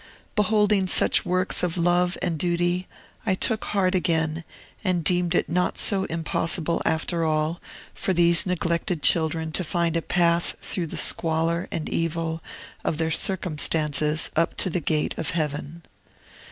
Beholding such works of love and duty, I took heart again, and deemed it not so impossible, after all, for these neglected children to find a path through the squalor and evil of their circumstances up to the gate of heaven.